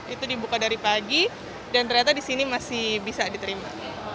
itu dibuka dari pagi dan ternyata di sini masih bisa diterima